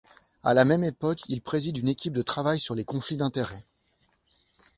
À la même époque, il préside une équipe de travail sur les conflits d'intérêts.